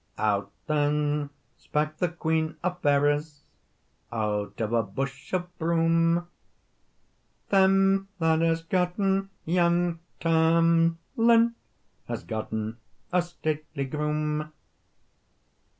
Out then spak the Queen o Fairies, Out of a bush o broom: "Them that has gotten young Tam Lin Has gotten a stately groom."